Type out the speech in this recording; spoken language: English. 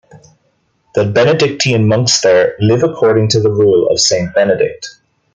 The Benedictine monks there live according to the rule of Saint Benedict.